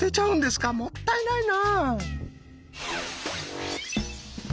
もったいないな！